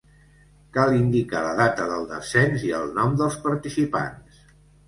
Cal indicar la data del descens i el nom dels participants.